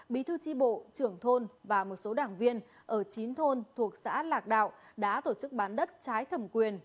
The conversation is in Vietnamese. bí thư tri bộ trưởng thôn và một số đảng viên ở chín thôn thuộc xã lạc đạo đã tổ chức bán đất trái thẩm quyền